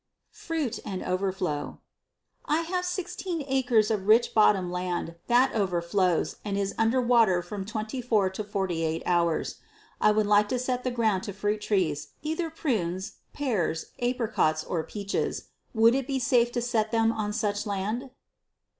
Fruit and Overflow. I have 16 acres of rich bottom land that overflows and is under water from 24 to 48 hours. I would like to set the ground to fruit trees, either prunes, pears, apricots, or peaches. Would it be safe to set them on such land?